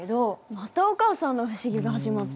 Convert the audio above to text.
またお母さんの不思議が始まった。